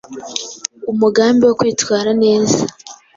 umugambi wo kwitwara neza,